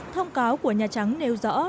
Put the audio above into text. thông cáo của nhà trắng nêu rõ